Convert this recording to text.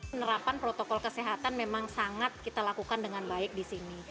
penerapan protokol kesehatan memang sangat kita lakukan dengan baik di sini